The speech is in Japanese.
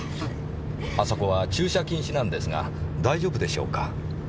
あそこは駐車禁止なんですが大丈夫でしょうか？